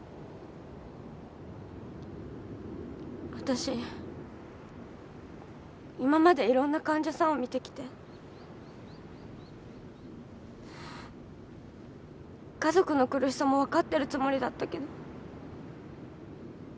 わたし今までいろんな患者さんを見てきて家族の苦しさも分かってるつもりだったけど。